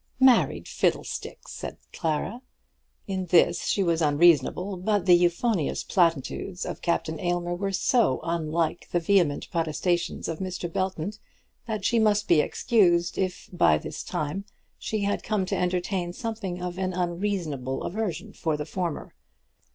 "Married fiddlestick!" said Clara. In this she was unreasonable; but the euphonious platitudes of Captain Aylmer were so unlike the vehement protestations of Mr. Belton that she must be excused if by this time she had come to entertain something of an unreasonable aversion for the former.